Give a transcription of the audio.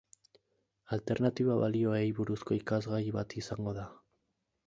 Alternatiba balioei buruzko ikasgai bat izango da.